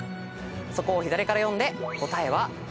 そこを左から読んで答えは「り」「ゅ」